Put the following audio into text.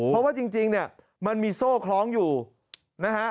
เพราะว่าจริงเนี่ยมันมีโซ่คล้องอยู่นะฮะ